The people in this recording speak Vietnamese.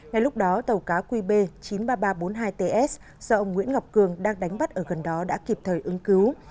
ngay lúc đó tàu cá qb chín mươi ba nghìn ba trăm bốn mươi hai ts do ông nguyễn ngọc cường đang đánh bắt ở gần đó đã kịp thời ứng cứu